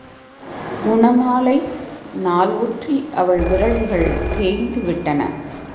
குணமாலை? நாள் ஒற்றி அவள் விரல்கள் தேய்ந்து விட்டன.